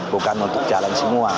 bukan untuk jalan semua